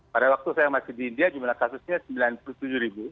pada waktu saya masih di india jumlah kasusnya sembilan puluh tujuh ribu